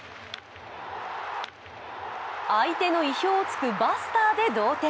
相手の意表を突くバスターで同点。